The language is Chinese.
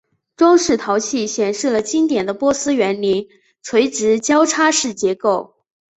装饰陶器显示了经典的波斯园林垂直交叉式结构。